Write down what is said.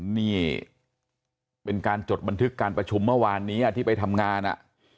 นี่เป็นการจดบันทึกการประชุมเมื่อวานนี้ที่ไปทำงานอ่ะ